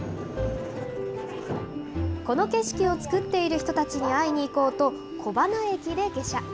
この景色を作っている人たちに会いに行こうと、小塙駅で下車。